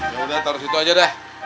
yaudah taruh situ aja dah